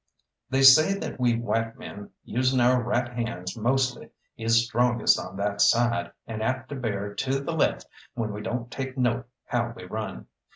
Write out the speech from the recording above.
They say that we white men, using our right hands mostly, is strongest on that side, and apt to bear to the left when we don't take note how we run.